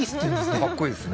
かっこいいですね